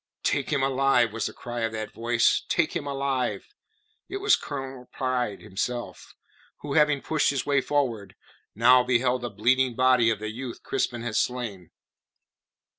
"Take him alive!" was the cry of that voice. "Take him alive!" It was Colonel Pride himself, who having pushed his way forward, now beheld the bleeding body of the youth Crispin had slain.